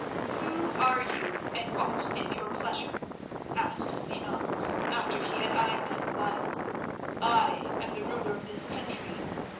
"Who are you, and what is your pleasure?" asked Sinan, after he had eyed them awhile. "I am the ruler of this country.